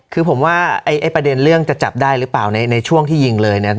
คือผมว่าไอ้ประเด็นเรื่องจะจับได้หรือเปล่าในช่วงที่ยิงเลยเนี่ย